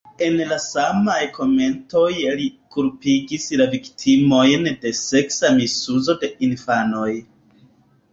En la samaj komentoj li kulpigis la viktimojn de seksa misuzo de infanoj.